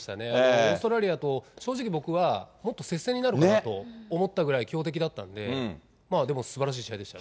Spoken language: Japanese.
オーストラリアと正直、僕はもっと接戦になるかなと思ったぐらい強敵だったんで、でもすばらしい試合でした。